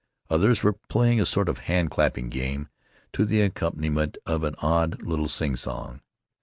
Others were playing a sort of hand clapping game to the accompaniment of an odd little singsong.